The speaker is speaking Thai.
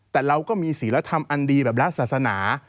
แต่เราก็มีศิลธรรมอันดีแบบรัฐศาสนา